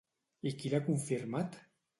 I qui l'ha confirmat?